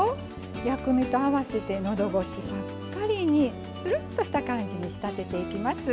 薬味と合わせてのどごしさっぱりにするっとした感じに仕立てていきます。